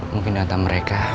mungkin datang mereka